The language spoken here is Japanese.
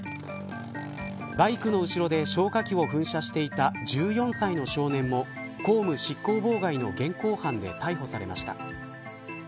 バイクの後ろで消火器を噴射していた１４歳の少年も公務執行妨害の現行犯で逮捕されました。